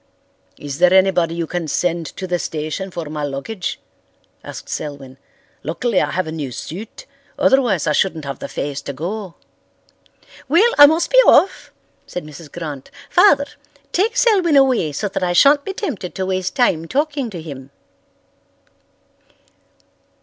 "Is there anybody you can send to the station for my luggage?" asked Selwyn. "Luckily I have a new suit, otherwise I shouldn't have the face to go." "Well, I must be off," said Mrs. Grant. "Father, take Selwyn away so that I shan't be tempted to waste time talking to him."